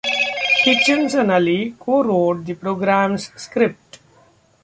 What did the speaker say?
Hitchens and Ali co-wrote the programme's script.